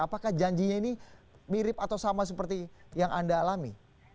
apakah janjinya ini mirip atau sama seperti yang anda alami